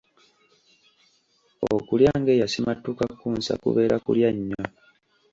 Okulya ng'eyasimattuka Kkunsa kubeera kulya nnyo.